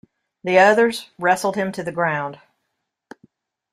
The others wrestled him to the ground.